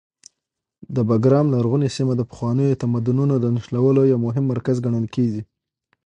د بګرام لرغونې سیمه د پخوانیو تمدنونو د نښلولو یو مهم مرکز ګڼل کېږي.